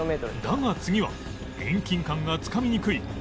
だが次は遠近感がつかみにくい奥のコース